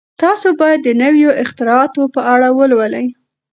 تاسي باید د نویو اختراعاتو په اړه ولولئ.